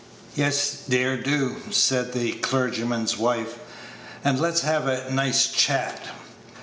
"Yes, dear, do," said the clergyman's wife, "and let's have a nice chat.